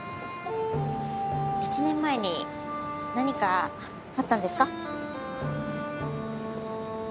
１年前に何かあったんですか？